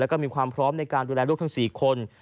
แล้วก็มีความพร้อมในการดูแลลูกทั้ง๔คน